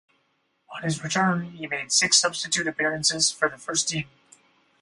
On his return, he made six substitute appearances for the first team.